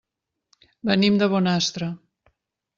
Venim de Bonastre.